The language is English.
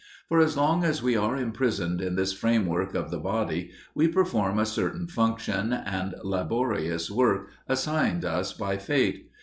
For as long as we are imprisoned in this framework of the body, we perform a certain function and laborious work assigned us by fate.